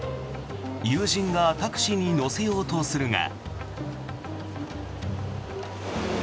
友人がタクシーに乗せようとするが。